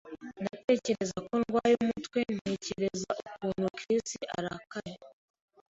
Ndatekereza ko ndwaye umutwe ntekereza ukuntu Chris arakaye.